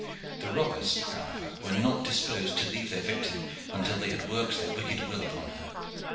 The robbers, however, were not disposed to leave their victim until they had worked their wicked will upon her.